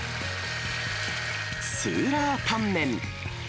スーラータンメン。